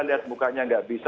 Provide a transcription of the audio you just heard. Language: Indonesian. lihat mukanya tidak bisa